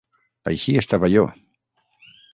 Així estava jo.